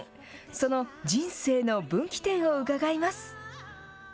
その人生の分岐点を伺います。